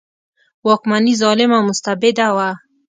واکمني ظالمه او مستبده وه.